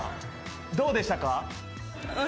どうでしたか？